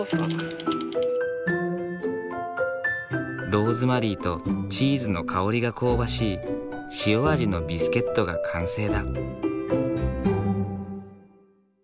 ローズマリーとチーズの香りが香ばしい塩味のビスケットが完成だ。